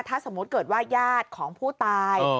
ถ้าสมมุติเกิดว่าญาติของผู้ตาย